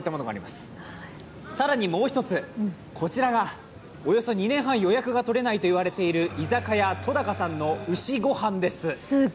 更にもう一つこちらがおよそ２年半予約が取れないといわれている居酒屋とだかさんの牛ご飯です。